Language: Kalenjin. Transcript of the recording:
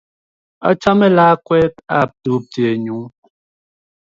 Achame lakwet ap tupchennyo